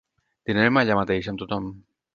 Dinarem allà mateix, amb tothom.